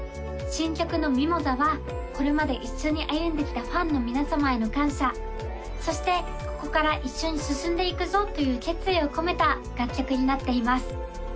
新曲の「ミモザ」はこれまで一緒に歩んできたファンの皆様への感謝そしてここから一緒に進んでいくぞという決意を込めた楽曲になっています